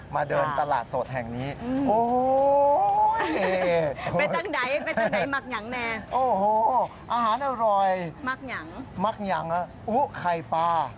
มากหยังมากหยังอุ้ยไข่ปลา